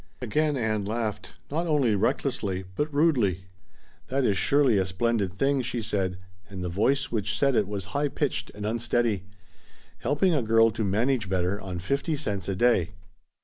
Again Ann laughed, not only recklessly but rudely. "That is surely a splendid thing," she said, and the voice which said it was high pitched and unsteady, "helping a girl to 'manage better' on fifty cents a day!"